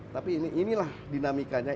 tapi inilah dinamikanya